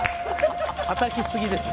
たたきすぎです。